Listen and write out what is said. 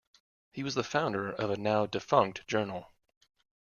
He was the founder of a now-defunct journal.